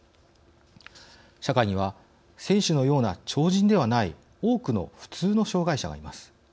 社会には選手のような超人ではない多くの普通の障害者がいます。